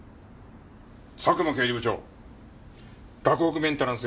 佐久間刑事部長洛北メンテナンスへの家宅捜索